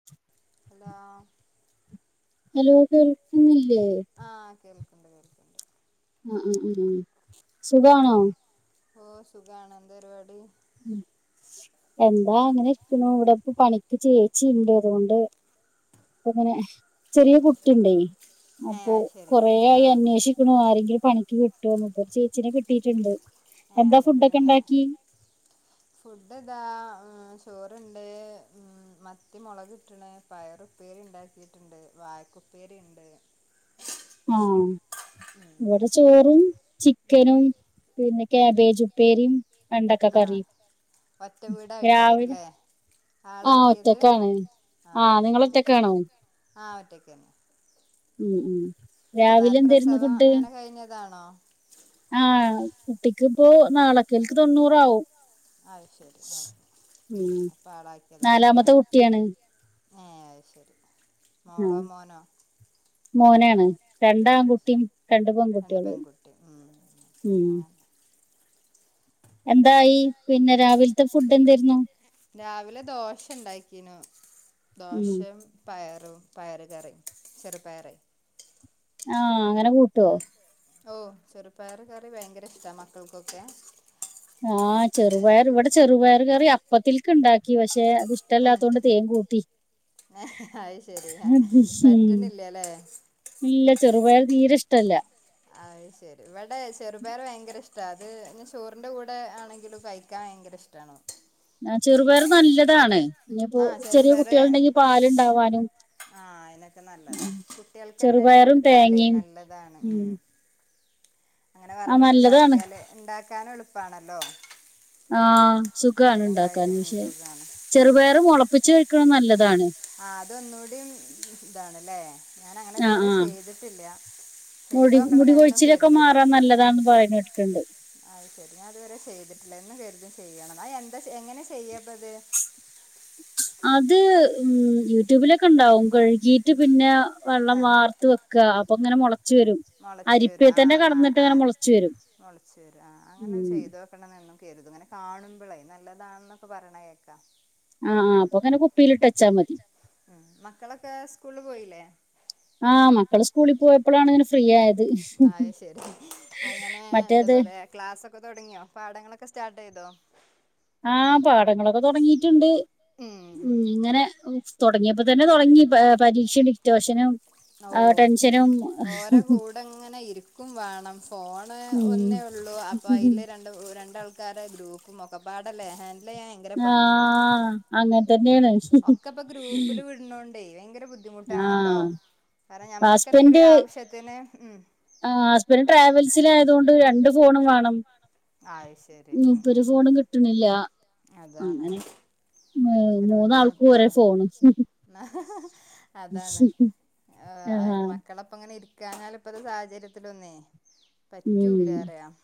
[inaudible] Hello hello കേൾക്കുന്നില്ലേ ആഹ് കേൾക്ക്ണ്ട് കേൾക്ക്ണ്ട് ഉം ഉം ഉം ഉം സുഖാണോ ഓഹ് സുഖാണ് എന്താ പരുവാടി ഉം എന്താ അങ്ങനെ ഇരിക്കുന്നു ഇവിടെ ഇപ്പ പണിക്ക് ചേച്ചി ഇണ്ട് അതുകൊണ്ട് അപ്പ അങ്ങനെ ചെറിയ കുട്ടി ഇണ്ടേയ് ഏഹ് അപ്പൊ അത് ശരി കൊറേ ആയി ആഹ് അന്വേഷിക്കുണു ആരെങ്കിലും പണിക്ക് കിട്ടോന്ന് എ ച്ചീനെ കിട്ടിട്ടുണ്ട് ഏഹ് എന്താ അതുകൊണ്ട് ഫുഡൊക്കെ പിന്നെ ഉണ്ടാക്കി ഫുഡ് ദാ ചോറുണ്ട് മത്തി മുളക് ഇട്ടണ് പയറ് ഉപ്പേരി ഇണ്ടാക്കിട്ടുണ്ട് വായക്കാ ഉപ്പേരി ഇണ്ട് ആഹ് ഇവിടെ ചോറും ഉം ചിക്കനും പിന്നെ ഉം കാബേജ് ഉപ്പേരിം വെണ്ടക്ക ആഹ് കറിം ഒറ്റ വീടായിട്ടായിരല്ലേ ആഹ് ആളാക്കിയത് ഒറ്റക്കാണ് ആഹ് നിങ്ങള് ശരി ഒറ്റക്കാണോ ശരി ആഹ് ഒറ്റക്കന്നെ ഉം ഉം രാവിലെ ഇപ്പന്നാരെ എന്തായിരുന്നു പ്രസവം അങ്ങനെ കഴിഞ്ഞതാണോ ആ കുട്ടിക്ക്പ്പോ നാളക്കേൽക്ക് തൊണ്ണൂറാവും അഹ് ശരി ഓക്കെ ഉം അപ്പൊ ആളാക്കിയതായരൂല്ലേ? നാലാമത്തെ കുട്ടിയാണ് ഏഹ് അത് ശരി മോളോ? ആഹ് മോനോ? മോനാണ് രണ്ട് ആൺ അത് ശരി കുട്ടിം രണ്ട് പെൺകുട്ടികളും പെൺകുട്ടി ഉം ആണ് അങ്ങനെ എന്തായി പിന്നെ രാവിലത്തെ ഫുഡ് എന്തേരുന്നു? രാവിലെ ദോശ ഇണ്ടാക്കിനു ഉം ദോശും പയറും പയറ് കറിയും ചെറുപയറ് ആഹ് അങ്ങനെ പു ഉം ഓ ചെറുപ്പയറ് കറി ഭയങ്കര ഇഷ്ടാ മക്കൾക്കൊക്കെ ആ ചെറുപയറ് ഇവടെ ചെറുപയർ കറി അപ്പത്തിൽക്ക്ണ്ടാക്കി പക്ഷെ അത് ഇഷ് ട്ടല്ലാത്തോണ്ട് തേൻ കൂട്ടി ഏഹ് അത് ശരി ഉം. പറ്റണില്ലല്ലേ? ഇല്ല ചെറുപയറ് തീരെഷ്ടല്ല അത്ശരി ഇവടെ ചെറുപയർ ഭയങ്കര ഇഷ്ടാ അത് ഇഞ്ഞ് ചോറിന്റെ കൂടെ ആണെങ്കിലും കഴിക്ക ക്കാൻ ഭയങ്കര ഇഷ്ടാണ് ഓ ആ ചെറുപയർ നല്ലതാണ് ഇനിയിപ്പോ ആ ചെറിയ കുട്ടികള്ണ്ടെങ്കി പാലുണ്ടാവാനും ആ അയിനൊക്കെ നല്ലതാ ഉം. കുട്ടികൾക്കന്നെ ചെറുപയറും കൊടുത്താലേ തേങ്ങയും നല്ലതാണ് ഉം അങ്ങനെ ആഹ് വറവിട്ടു നല്ലതാണ് ഇണ്ടാക്കിയാല് ഇണ്ടാക്കാനും എളുപ്പാണല്ലോ? ആഹ് സുഖാണ് വേഗം ഇണ്ടാക്കാൻ കഴിയും ഉം പക്ഷെ സുഖാണ് ചെറുപയറ് മൊളപ്പിച്ച് കഴിക്കുണും നല്ലതാണ് ആ അതൊന്നൂടിം ഇതാണ്ല്ലേ? ഞാനങ്ങനെ ആ ഇതുവരെ ആ ചെയ്തിട്ടില്ല മുടി ചെയ്തോക്കണംന്ന് എന്നും മുടികൊഴിച്ചിലൊക്കെ കരുതും മാറാൻ നല്ലതാണെന്ന് പറയ്ണ് കേട്ടിട്ടുണ്ട് അഹ് ശരി ഞാ ഇതുവരെ ചെയ്തിട്ടില്ല എന്ന് കരുതും ചെയ്യണംന്ന് അഹ് എന്താ എങ്ങനെ ചെയ്യപ്പത്? അത് ഉം യൂട്യൂബിലൊക്കെണ്ടാവും കഴുകിട്ട് പിന്നെ വെള്ളം വാർത്ത് വെക്ക അപ്പൊങ്ങനെ മുള മെളച്ച് വരും ആഹ് ആഹ ഇങ്ങനെ ആഹ് മുളച്ചു വരും മൊളച്ച വരും ആ അങ്ങനൊന്ന് ഉം. ചെയ്തോക്ക ണംന്ന് എന്നും കരുതും ഇങ്ങനെ കാണുമ്പളേ നല്ലതാണെന്നൊക്കെ പറഞ്ഞ കേൾക്കാം ആഹ് ആഹ് അപ്പങ്ങനെ കുപ്പിയിലിട്ടെച്ചാ മതി ഉം മക്കളൊക്കെ സ്കൂളില് പോയില്ലേ? ആഹ് മക്കള് സ്കൂളി പോയപ്പളാണ് ഇങ്ങനെ ഫ്രീയായത് അഹ്ശരി അങ്ങനെ എന്താ മറ്റേത് പറയാ ക്ലാസ്സൊക്കെ തൊടങ്ങിയോ പാടങ്ങളൊക്കെ സ്റ്റാർട്ട് ചെയ്തോ? ആ പാടങ്ങളൊക്കെ തൊടങ്ങിയിട്ടുണ്ട് ഉം ഇങ്ങനെ തൊടങ്ങിയപ്പോ തന്നെ തൊടങ്ങി പരീക്ഷയും, ഡിക്റ്റോഷനും, ആ ടെൻഷനും ഓര കൂടെ ഇങ്ങനെ ഇരിക്കും വേണം ഫോണ് ഉം. ഒന്നേയൊള്ളൂ അപ്പൊ അയ്ല് രണ്ട് രണ്ടാൾക്കാര ഗ്രൂപ്പും ഒക്കപാട ലേ ഹൻ ആഹ് അങ്ങൻതന്നെയാണ് ഒക്കെപ്പം ഗ്രൂപ്പില് വിടണോണ്ടേ ഭയങ്കര ബുദ്ധി മുട്ടാണല്ലോ ആഹ്. കാരണം ഞമ്മക്കന്തെങ്കിലും ഹസ്ബൻഡ് ഒരു ആവശ്യത്തിന് ഉം ആഹ് ഹസ്ബൻഡ് ട്രാവൽസിലായതുകൊണ്ട് രണ്ട് ഫോണും വേണം അത് ശരി ഉം ഉം ഉംമൂപ്പരെ ഉം ഫോണും കിട്ട്ണില്ല അതാണ് അങ്ങനെ ഏഹ് ഭങ്കര മൂന്നാൾക്കും ബുദ്ധിമുട്ടാ ഒരേ ഫോണ്. ആ അതാണ് ഏഹ് ആ ആഹ്. മക്കളപ്പങ്ങനെ ഇരി ക്കാഞ്ഞാല് ഇപ്പത്തെ സാഹചര്യത്തിലൊന്നേ ഉം. പറ്റൂല്ലാറിയാം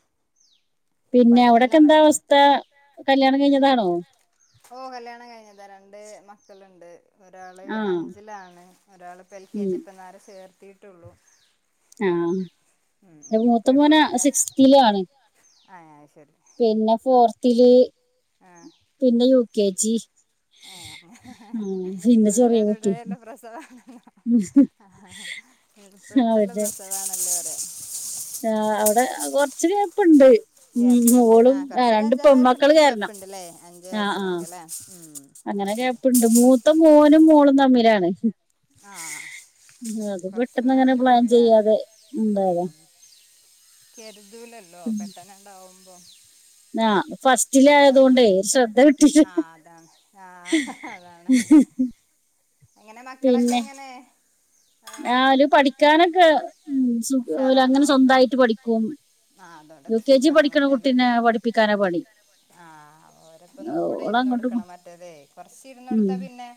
പിന്നെ അവിടൊക്കെ എന്താ അവസ്ഥ കല്യാണം കഴിഞ്ഞതാണോ? ഓ കല്യാണം കഴിഞ്ഞതാ രണ്ട് മക്കളുണ്ട് ഒരാള് ആഹ്. അഞ്ചിലാണ് ഒരാളിപ്പ എൽ കെ ഉം. ജി ഇ പതിനാല് ചേർത്തിട്ടുള്ളു ആഹ് മൂത്ത മോനെ കുഴപ്പമൊന്നുമില്ല സിക്സ്തി ആണ് ആ അത് ശരി പിന്നെ ഫോർത്തിൽ ആ പിന്നെ യു കെ ജി ഏയ് ആഹ് പിന്നെ തുടരാ ചെറിയ കുട്ടി. തുടര എല്ലാം പ്രസവ ആ അവര് എളുപ്പടുപ്പല്ലാം പ്രസവമാണല്ലോ പറയാം ആ അവിടെ കൊറച്ച് ഗ്യാപ്പുണ്ട് ഗ്യാപ്പ് ഉണ്ട് ആഹ് കൊറച്ച ഒരു അഞ്ചാ പെമ്മക്കള് വയസ്സിനൊക്കെ കാരണം ഗ്യാപ്പ്ണ്ട്ല്ലേ അഞ്ചു ആഹ് ആഹ് വയസ്സിനൊക്കെ അല്ലേ ഉം അത് അങ്ങനെ ശരി ഗ്യാപ്പുണ്ട് മൂത്ത മൂനും മോളും തമ്മിലാണ് ആഹ് അത് കുറച്ച് പെട്ടെന്നങ്ങനെ പ്ലാൻ മാറ്റുള്ളൂല്ലേ ചെയ്യാതെ എന്തായത് ഉം കരുതലല്ലോ പെട്ടന ഉണ്ടാവുമ്പോ ആഹ് ഫസ്റ്റിലായതോണ്ടേ ഒരു ശ്രദ്ധ കിട്ടില്ല. അതാണ്ആഹ് അതാണ് ആഹ് അതാണ് അങ്ങനെ മക്കളൊക്കെ എങ്ങനെ ആ, ആഹ് ഓല് പഠിക്കാനൊക്കെ ഉഖ അങ്ങനെ ഉഷാറാണോ സ്വന്തായിട്ട് പഠിക്കും ആ യു അതോടൊക്കെ കെ ജി സുഖമാണ് പഠിക്കണ കുട്ടിനെ പഠിപ്പിക്കാന പണി ആഹ് ഓരപ്പ ഒന്ന് കൂടെ ഇരുന്ന് ഓളങ്ങോട്ടും ഇങ്ങോ കൊടുക്കണം മറ്റേതെ കൊറച്ച് ഇരുന്ന് ഉം കൊടുത്താ പിന്നെ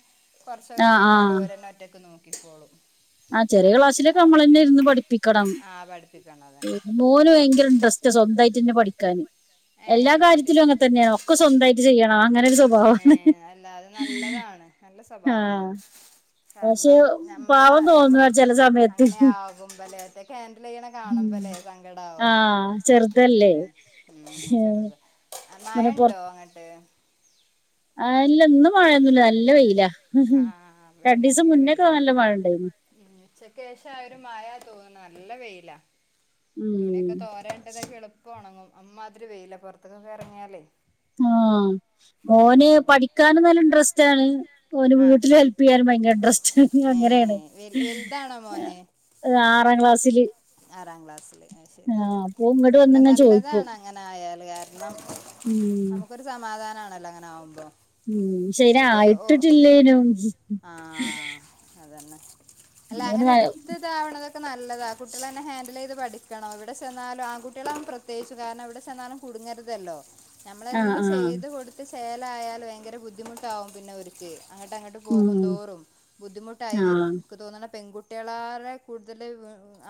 കുറസൊക്കെ ആഹ് കഴിഞ്ഞാൽ ഒരോറ്റക്ക് നോക്കിക്കപ്പോളും ആഹ് ചെറിയ ക്ലാസ്സിലൊക്കെ നമ്മള തന്നെ ഇരുന്ന് പഠിപ്പിക്കണം ആ പഠിപ്പിക്കണതാണ് മോന് ഭയങ്കര ഇൻട്രസ്റ്റ് സ്വന്തമായിട്ട്ന്നെ പഠിക്കാന് ഏ എല്ലാ അത് ശരി കാര്യത്തിലും അങ്ങെ തന്നെയാണ് ഒക്കെ സ്വന്തായിട്ട് ചെയ്യണം അങ്ങനെ ഒരു ഏ സ്വഭാവമാണ് അല്ല അത് നല്ലതാണ് നല്ല സ്വഭാവണത് പക്ഷെ കാരണം നമ്മളെ പാവം നമ്മ തോന്നുക ചില സമയത്ത് അങ്ങനെയ ആകുമ്പല്ലേറ്റക്ക ഹൻഡൽ ചെയ്യണ ഉം. കാണുമ്പോല്ലേ ആ സങ്കടമാവും ചെറുതല്ലേ ശരിയ ഉഉം ചെറുതാ മയ ഇങ്ങനെ ഉണ്ടോ അങ്ങോട്ട് ആഹ് ഇല്ല ഇന്നും മഴയൊന്നൂല്ല നല്ല പെയയില ആ ഇവിടെയും രണ്ടു ദിവസം നല്ല മുന്നേക്കെ വെയിലാ നല്ല മഴ ഇണ്ടായിരുന്നു ഉച്ചക്ക് ശേഷം ആ ഒരു മായ തോന്നുന്നു നല്ല വേയില ഉം. തുണിയൊക്കെ തോരണ്ടതൊക്കെ എളുപ്പം ഉണങ്ങും അ്മാതിരി വെയില്ല പുറത്തക്കൊക്കെ ഇറങ്ങിയാലേ ആഹ് ഓന് പഠിക്കാനും നല്ല ഇൻറ്രസ്റ്റ് ആണ് ഓന് ആ വീട്ടില് ഹെൽപ് ചെയ്യാൻ ഭയങ്കര ഇൻ ഡ്രസ്റ്റ് അങ്ങനെയാണ് വ വലുതാണോ മോന ഏ ആറാം ക്ലാസ്സില് ആറാം ക്ലാസ്സില് ശരി ഇങ്ങോട്ട് അല്ല വന്നിങ്ങനെ ചോദിക്കും നല്ലതാണ് അങ്ങനെ ആയല് കാരണം ഉം നമുക്കൊരു സമാധാനമാണല്ലോ അങ്ങനെ ആകുമ്പോ ഉം ശരി മറ്റേത് ഓ ആയിട്ടില്ലേനും ആഹ് അതന്നെ അല്ല ആഹ് അങ്ങനെ എടുത്തതാവണതൊക്കെ നല്ലതാ കുട്ട കുട്ടികള തന്നെ ഹാൻഡിൽ ചെയ്ത് പഠിക്കണം ഇവിടെ ചെന്നാലും ആ കുട്ടികള അവൻ പ്രത്യേകിച്ചു കാരണം ഇവിടെ ചെന്നാലും കുടുങ്ങരുതല്ലോ ആഹ് നമ്മളെല്ലാം ചെയ്ത് കൊടുത്ത് ശേലായാൽ ഭയങ്കര ബുദ്ധിമുട്ടാവും പിന്നെ ഒരുച്ച് അങ്ങട്ട അങ്ങട്ട് ഉം ഉം കുന്തോറും ബുദ്ധിമുട്ടായി വരും ആഹ് എനിക്ക് തോന്നുന്ന പെൺകുട്ടികളാര കൂടുതൽ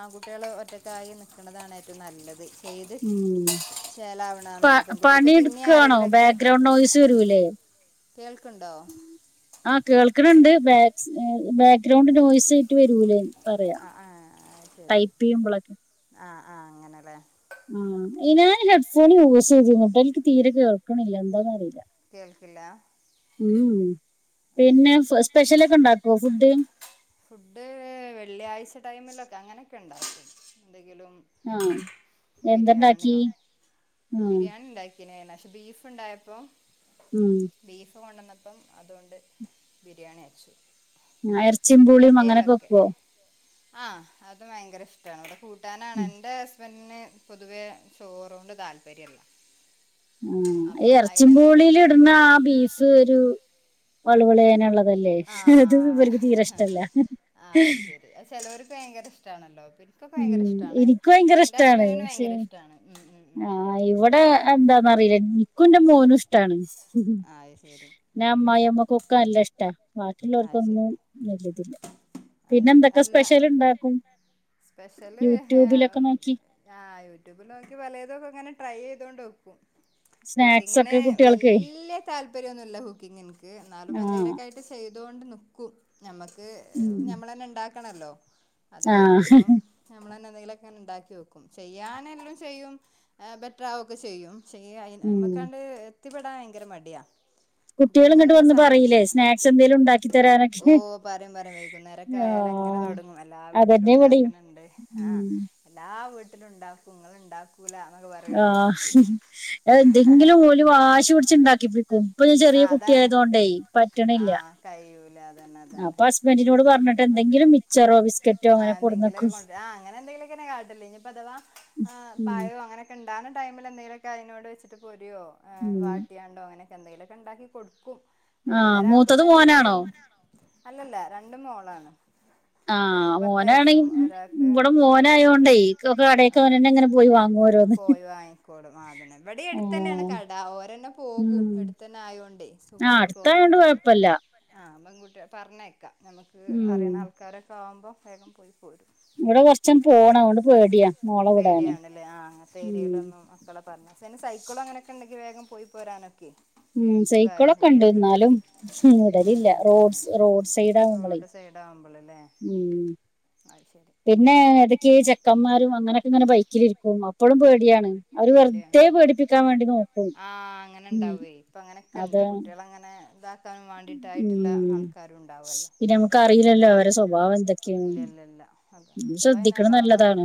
ആൺകുട്ടികൾ ഒറ്റക്ക ആയി നിൽക്കുന്നതാണ് ഏറ്റവും നല്ലത് ചെയ്ത് ഉം ചേലാവണതാണ് പ നല്ല പെൺകുട്ടിയൊക്കെ പണി പിന്നെ എടുക്കവാണോ ആരെങ്കിലുമൊക്കെ ബാക്ക്ഗ്രൗണ്ട് നോയ്സ് വരൂല്ലേ കേൾക്കുണ്ടോ ആഹ് കേൾക്കണണ്ട് ബാ ബാക്ക്ഗ്രൗണ്ട് നോയിസ് ആട്ട് വരൂലേ പറയാ ആ ആ ആ, ശരി ടൈപ്പ് ചെയ്യുമ്പോളൊക്കെ ആഹ് ആഹ് അങ്ങനെല്ലേ ആഹ് ഞാൻ ഹെഡ്ഫോൺ യൂസ് ചെയ്തിന്ന കേട്ട് എനിക്ക് തീരെ കേൾക്കണില്ല എന്താന്നന്ന് അറിയില്ല കേൾക്കില്ല ഉം പിന്നെ സ്പെഷ്യലൊക്കെ ഉണ്ടാക്കുവോ ഫുഡ് ഫുഡ് വെള്ളിയാഴ്ച ടൈമിലൊക്കെ അങ്ങനെയൊക്കെ ഉണ്ടാക്കും എന്തെങ്കിലും ആഹ് എന്ത്‌ണ്ടാക്കി ബിരിയാണിയോ ബിരിയാണി ഇണ്ടാക്കിനയിന് പക്ഷെ ബീഫ് ഇണ്ടായപ്പോൊ ഉം ബീഫ് കൊണ്ടുന്നപ്പം അതുകൊണ്ട് ബിരിയാണി വെച്ചു എറച്ചിയും പൂളിയും അങ്ങനൊക്കെ എടയിലൊക്കെ വെക്കുവോ ആഹ് അത് ഭയങ്കര ഇഷ്ടാണ് അത് കൂട്ട കിട്ടാനാണ് എന്റെ ഹസ്ബൻഡന് പൊതുവേ ചോറൂണ്ട് താല്പര്യല്ല ആഹ് ഇറച്ചിപൂളിൽ ഇടുന്ന ആഹ് ബീഫ് ഒരു വളവിളേനള്ളത് അല്ലേ അത് ആഹ് ഇവർക്ക് തീരെ ഇഷ്ട്ടല്ല ചിലവർക്ക് ഭയങ്കര ഇഷ്ടണല്ലോ ഇവർക്കൊക്ക ഭയങ്കര ഉം ഇഷ്ടാണ് എനിക്ക് എന്റെ ഹസ്ബൻഡിന് ഭയങ്കര ഇഷ്ടാണ് ഉം ഉം ഉം ആഹ് ഇവിടെ എന്താന്നറിയില്ല എനിക്കും എന്റെ മോനും ഇഷ്ടാണ് അത് ശരി പിന്നെ അമ്മായിയമ്മക്കൊക്കെ നല്ല ഇഷ്ട അത് ബാക്കിയുള്ളവർക്കൊന്നും ശരി വലിയതില്ല അത് പിന്നെ ശരി എന്തൊക്കെ അല്ല സ്പെഷ്യൽ ഇണ്ടാക്കും യൂട്യൂബിലൊക്കെ നോക്കി ആഹ് യൂട്യൂബില് നോക്കി പലതോക്കെ ഇങ്ങനെ ട്രൈ ചെയ്തൊണ്ട് വെക്കും സ്നാക്സ് കുക്കിങ്ങിന് ഒക്കെ കുട്ടികൾക്ക് വല്ലിയാ താല്പര്യവൊ ന്നുമില്ല കുക്കിങ്ങിക്ക് എന്നാലും ആ എന്തെങ്കിലുക്കെയായിട്ട് ചെയ്തൊണ്ട് നിക്കും ഞമ്മക്ക് ഉം. ഞമ്മള് തന്നെ ഇണ്ടാക്കണല്ലോ അത് ആ കരുതുമ്പോ നമ്മള തന്നെ എന്തെങ്കിലൊക്കെ ഇണ്ടാക്കി വെക്കും ചെയ്യാന് എല്ലും ചെയ്യും ബെറ്റർ ആവൊക്കെ ചെയ്യും ചെയ്യാ അയിന് ഉം. മ്മക്കാണ്ട് എത്തിപ്പെടാൻ ഭയങ്കര മടിയാ കുട്ടികള് ഇങ്ങോട്ട് വന്ന് പറയില്ലേ സ്നാക്സ് എന്തെലും ഉണ്ട ഓഹ് പറയും പറയും വൈകുന്നേരൊക്കെ ആ ആയാല് ഇ ങ്ങനെ തൊടങ്ങും എല്ലാ വീട്ടിലും അതന്നെ ഇവിടെയും ഇണ്ടാക്കണണ്ട് ആഹ് ഉം. എല്ലാ വീട്ടിലും ഇണ്ടാക്കുംങ്ങള് ഇണ്ടാക്കും ക്കൂലാ ആഹ് ആഹ് എന്തെങ്കിലും ഓല് വാശി പിടിച്ചുണ്ടാക്കിപ്പം ഇപ്പള് ചെറിയ അതാണ് കുട്ടിയായതൊണ്ടേ പറ്റണില്ല ആഹ് കഴിയൂല അതന്നെ ആഹ് അതന്നെ അപ്പൊ ഹസ്ബൻഡിനോട് പറഞ്ഞിട്ട് എന്തെങ്കിലും മിക്ച്ചറോ ബിസ്ക്കറ്റോ അങ്ങനെ ആഹ് കൊടുന്നക്കും എന്തെങ്കിലൊക്കെ കൊണ്ട് ആഹ് അങ്ങനെ എന്തെങ്കിലൊക്കെ കാട്ടാല് ഇനിപ്പോ അതവ ആഹ് പഴോ അങ്ങനെ ഇണ്ടാവുന്ന ടൈമില് എന്തെലൊക്കെ അതിനോട് വെച്ചിട്ട് പൂരിയോ വാട്ടിയാണ്ടോ അങ്ങനെ എന്തെലുമൊക്കെ ഇണ്ടാക്കി കൊടുക്കും ആ വൈകുന്നേരം മൂത്തത് ആവുമ്പോത്തിന് എന്തെങ്കിലുമൊക്കെ മോനാണോ ആണോ അലല്ല രണ്ടും മോളാണ് ആഹ് ഒരാൾക്ക് പത്ത് മോനാണെങ്കി വയസ്സും ഇവിടെ ഒരാൾക്ക് മോനായൊണ്ട് ഒക്കെ കടകൊക്കെ മോനന്നെ പോയി വാങ്ങുവോരോ പോയി വങ്ങിക്കോട് അഹ് അതെന്നെ ഇവിടെ അടുത്തു തന്നെയാണ് കട ഓരന്നെ പോകും ഉം. അടുത്തന്നെ ആയൊണ്ട് ആ സുഖാണ് അടുത്തായോണ്ട് പോവാനൊക്കെ കുഴപ്പമില്ല ആഹ് പെൺകുട്ടികളെ പറഞ്ഞേക്കാം നമുക്ക് ഉം. അറിയണ ആൾക്കാരൊക്കെ ആവുമ്പോൾ വേഗം പോയി പോരും ഇവിടെ കുറച്ചും പോണം അതുകൊണ്ട് പേടിയാ മോളെ വിടാന് പേടിയണല്ലേ ആഹ് ഉം. പിടിയയിയിലൊന്നും മക്കള പറഞ്ഞേന് സൈക്കിളോ അങ്ങനൊക്കെ ഉണ്ടെങ്കി വേഗം പോയി പോരാനൊക്കെ ഉം സുഖായിരുന്നു സൈക്കിളൊക്കെ ഇണ്ട് കുട്ടികൾക്ക് എന്നാലും ഹും ഉം വിടലില്ല ഉം റോഡ് റോഡ് സൈഡ് ആണ് നമ്മളെ റോഡ് സൈഡ് ആവുമ്പോള് അല്ലേ ഉം ഉം പിന്നെ ഇടയ്ക്ക് ചെക്കന്മാരും അങ്ങനെയൊക്കെ ഇങ്ങനെ ബൈക്കിലിരിക്കും അപ്പളും പേടിയാണ് അവര് വെറുതെ പേടിയണ് പേടിപ്പിക്കാൻ വേണ്ടി നോക്കും ആഹ് അങ്ങനെ ഉം ഇണ്ടാവേ ഇപ്പ അങ്ങനെയൊക്കെ അത് ഉണ്ട് കുട്ടികള് അങ്ങനെ ഇത അയിന് വേണ്ടിട്ടായിട്ടുള്ള ഉം ആൾക്കാരും ഉണ്ടാവല്ലോ പിന്നെ നമുക്ക് നിനക്ക് അറിയില്ലല്ലോ അറിയുന്നേ അല്ലെ അവരെ സ്വഭാവം എന്തൊക്കെയാണ് സ്വഭാവം ഇലല്ല അത് ഇപ്പം ശ്രദ്ധിക്കണ നല്ലത് ആണ് പറഞ്ഞാല് നല്ലതാണ്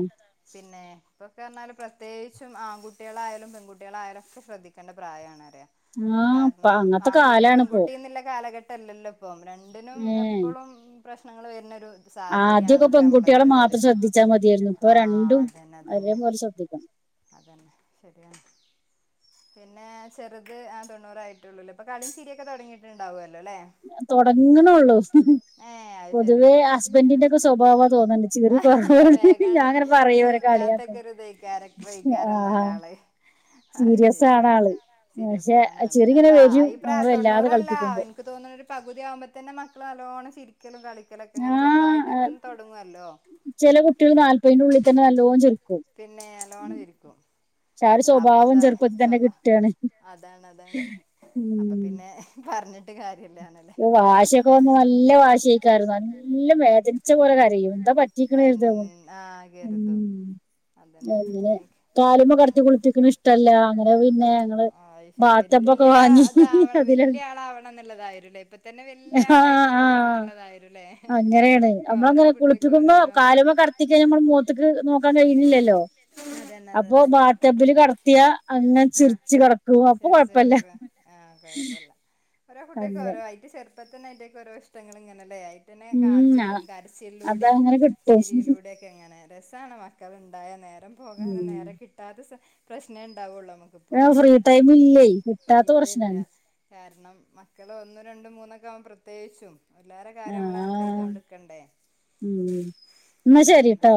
പിന്നെ ഇപ്പൊക്കെ പറഞ്ഞാല് പ്രത്യേക ച്ചും ആൺകുട്ടികളായാലും പെൺകുട്ടികളായാലൊക്കെ ശ്രദ്ധിക്കേണ്ട പ്രായാണ് പറയാ. ആ ഇപ്പൊ കാരണം അങ്ങനത്തെ ആൺകുട്ടി കാലാണ് ഇപ്പോ പെൺകുട്ടിന്നുള്ള കാലഘട്ടല്ലല്ലോ ഇപ്പം രണ്ടിനും ഏ എപ്പളും പ്രശ്നങ്ങള് വരുന്നൊരു ആദ്യമൊക്കെ സാഹചര്യണ് ഇപ്പം പെൺകുട്ടികളെ നമ്മളതിലുള്ളത് മാത്രം ശ്രദ്ധിച്ചാൽ മതിയായിരുന്നു ഇപ്പൊ ആഹ് രണ്ടും അതന്നെ അതന്നെ. ഒരേപോലെ ശ്രദ്ധിക്കണം. അതന്നെ ശരിയാണ്. പിന്നെ ചെറുത് ആഹ് തൊണ്ണൂറായിട്ടുള്ളൂല്ലേ അപ്പോ കളിയും ചിരിയൊക്കെ തുടങ്ങിയിട്ട് ഇണ്ടാവും അല്ലോല്ലേ? തൊടങ്ങണള്ളൂ. അത് ശരി പൊതുവേ ഹസ്ബൻന്റിന്റൊക്കെ സ്വഭാവാ തോന്നണണ്ട് ചിരി കുറവ് വേഗാണ്ട് ഞാൻ ഇങ്ങനെ പറയും ഇവ ചിരിക്കാത്തൊക്കെ ഒരു ഇതേക്കാരം ക്യാരക്ടർ ഏക്കാരം ആ എന്നാല് ആള്. അത് സീരിയസ് ശരി ആണ് ആള് സീരിയസ് പക്ഷെ ആണ് ആൾ ചിറിങ്ങനെ അല്ല വരും ഈ പ്രായ നമ്മള് വല്ലാതെ തൊണ്ണൂറല്ലാ കളിപ്പിക്കുമ്പോ എനി ക്ക് തോന്നണ് ഒരു പകുതി ആകുമ്പോ തന്നെ മക്കൾ നല്ലോണം ചിരിക്കലും കളിക്ക കലൊക്കെ ഇങ്ങനെ ആ ചെറുതായിട്ടൊക്കെ തുടങ്ങുവല്ലോ? ചില കുട്ടികൾ നാൽപതിന്റെ ഉള്ളിതന്നെ നല്ലോണം ചിരി പിന്നെ നല്ലോണം ചിരിക്കും. പക്ഷെ ആ ഒരു അപ്പോ സ്വഭാവം അതാ ചെറുപ്പത്തിൽ തന്നെ സ്വഭാ കിട്ടുകയാണ് അതാണ് അതാണ് അപ്പോ ഉം പിന്നെ പറഞ്ഞിട്ട് കാര്യല്ലാന്നെ ഓഹ് വാശിയൊക്കെ വന്ന നല്ല വാശിയേക്കാരം നല്ലോം വേദനിച്ച പോലെ കരയും എന്താ പ റ്റിക്കണ് കരുതും ആ ഉം കരുതും അതന്നെ അങ്ങനെയൊക്കെ കാലുമ്മെ കടത്തി കുളിപ്പിക്കണ ഇഷ്ടല്ല അങ്ങനെ പിന്നെ ഞങ്ങള് ആഹ് അത് ശരി ബാത്ത് ടബ് ഒക്കെ വാങ്ങി അതിലാണ് [unintelligible] ഇപ്പോ തന്നെ വലിയ ആ ആളായിട്ട് ആ നോക്കണം എന്നുള്ളതായില്ലേ അങ്ങനെയാണ് ഓരോ നമ്മളങ്ങനെ കുട്ടിക്കും കുളിപ്പിക്കുമ്പോ ഓരോരോ [unintelligible] നമ്മൾ മുഖത്ത്ക്ക് നോക്കാൻ കഴിയുന്നില്ലല്ലോ അതന്നെ അതന്നെ ടബില് കടത്തിയാ അങ്ങനെ ആഹ് ചിറിച്ച് കിടക്കും അപ്പോ കൊഴപ്പല്ല. തീർച്ചയായിട്ടും ആഹ് കൊഴപ്പല്ല ഓരോ കുട്ടികൾക്ക്‌ അങ്ങനെ ഓരോ ആയിട്ട് ചെറുപ്പത്തിൽ അയിന്റെ ഒക്കെ ഓരോ ഇഷ്ടങ്ങൾ ഇങ്ങനെയല്ലേ ഇങ്ങനെ ഉം കാണിച്ചു അ- തരും കരച്ചലിലൂടെയും അതങ്ങനെ കിട്ടും ചിരിയിലൂടെക്കെ ഒക്കെ എങ്ങനെ രസമാണ് മക്കൾ ഉണ്ടായ നേരം പോകാനും ഉം. നേരം കിട്ടാത്ത പ്രശ്നേ ഉണ്ടാവുള്ളു നമുക്ക്. ആഹ് ഫ്രീ ടൈമില്ലേ കിട്ടാത്ത ഇല്ല ഇല്ല പ്രശ്നമാണ്. കാരണം മക്കൾ ഒന്നും രണ്ടും മൂന്നൊക്കെ ആകുമ്പോൾ പ്രത്യേകിച്ചും എല്ലാരെ ആ കാര്യവും നമ്മള് ഹാൻഡിൽ ചെയ്തോണ്ടിക്കണ്ടേ ഉം. എന്നാ ശരി അതാണ് ട്ടോ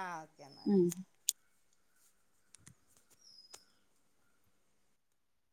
ആഹ് ഓക്കെ എന്നാല്. ഉം.